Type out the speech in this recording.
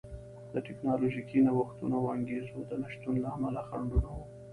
د ټکنالوژیکي نوښتونو او انګېزو د نشتون له امله خنډونه وو